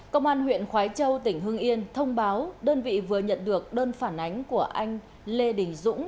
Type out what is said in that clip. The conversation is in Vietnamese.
công an huyện khói châu tỉnh hương yên thông báo đơn vị vừa nhận được đơn phản ánh của anh lê đình dũng